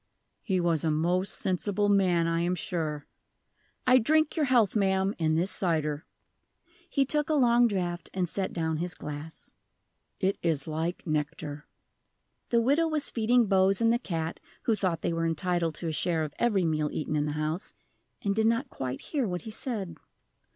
"He was a most sensible man, I am sure. I drink your health, ma'am, in this cider." He took a long draught, and set down his glass. "It is like nectar." The widow was feeding Bose and the cat (who thought they were entitled to a share of every meal eaten in the house), and did not quite hear what he said.